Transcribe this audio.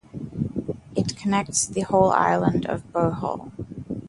It connects the whole island of Bohol.